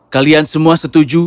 kalian semua setuju